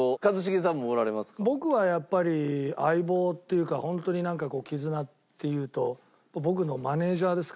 僕はやっぱり相棒っていうかホントになんかこう絆っていうと僕のマネージャーですかね。